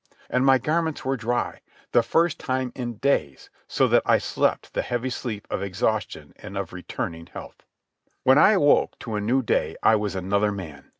And my garments were dry—the first time in days; so that I slept the heavy sleep of exhaustion and of returning health. When I awoke to a new day I was another man.